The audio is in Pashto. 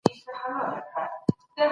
تاوان رسول په اسلام کي نسته.